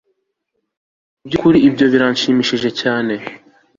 mubyukuri? ibyo birashimishije cyane